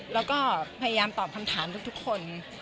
แล้วก็พยายามตอบคำถามทุกคน